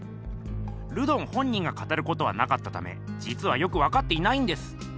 ルドン本人が語ることはなかったためじつはよくわかっていないんです。